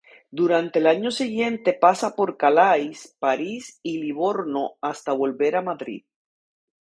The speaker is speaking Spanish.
Durante el año siguiente pasa por Calais, París y Livorno hasta volver a Madrid.